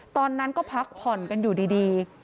ตอนนั้นก็พักผ่อนกันอยู่ดี